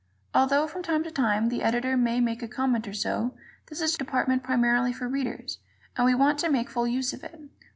Although from time to time the Editor may make a comment or so, this is a department primarily for Readers, and we want you to make full use of it.